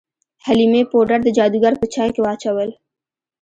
حلیمې پوډر د جادوګر په چای کې واچول.